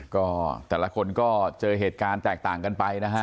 ก็แต่ละคนก็เจอเหตุการณ์แตกต่างกันไปนะฮะ